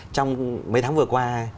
trong mấy tháng vừa qua